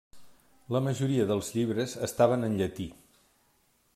La majoria dels llibres estaven en llatí.